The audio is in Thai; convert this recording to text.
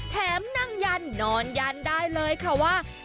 แถมนางยันนอนยันได้เลยค่ะว่า